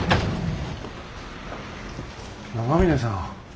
長嶺さん。